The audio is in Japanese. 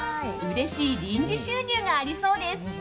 うれしい臨時収入がありそうです。